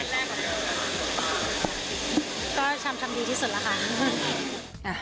ก็ชามกลับดีที่สุดแหละค่ะ